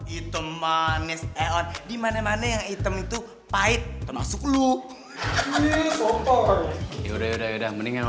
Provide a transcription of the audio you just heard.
itu manis eon dimana mana yang item itu pahit termasuk lu ya udah udah mendingan